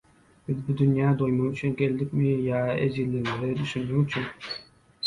Biz bu dünýä doýmak üçin geldikmi ýa ejizligimize düşünmek üçin?